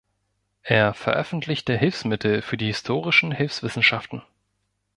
Er veröffentlichte Hilfsmittel für die Historischen Hilfswissenschaften.